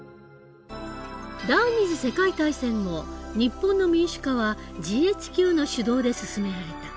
第２次世界大戦後日本の民主化はＧＨＱの主導で進められた。